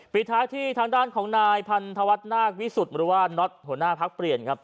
ปีท้ายที่ทางด้านของนายพันธวัฒนาวิสุธร์มรวชหัวหน้าพักเปลี่ยน